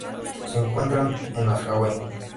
Se encuentran en las Hawaii.